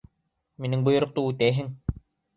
— Минең бойороҡто үтәйһең!